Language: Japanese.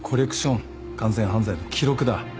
完全犯罪の記録だ。